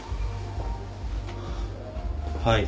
はい。